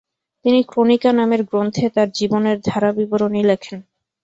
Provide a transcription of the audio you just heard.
তিনি ক্রোনিকা নামের গ্রন্থে তার জীবনের ধারাবিবরণী লেখেন।